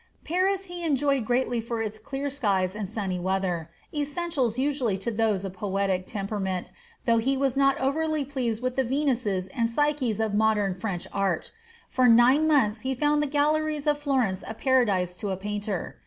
Paris he enjoyed greatly for its clear skies and sunny weather, essentials usually to those of poetic temperament, though he was not over pleased with the Venuses and Psyches of modern French art. For nine months he found the "galleries of Florence a paradise to a painter."